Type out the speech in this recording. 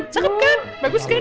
cakep kan bagus kan